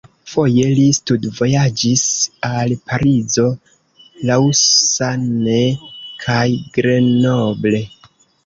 Foje li studvojaĝis al Parizo, Lausanne kaj Grenoble.